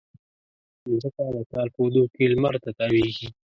مځکه د کال په اوږدو کې لمر ته تاوېږي.